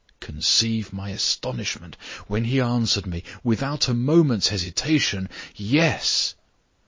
Conceive my astonishment when he answered me, without a moment's hesitation, 'Yes!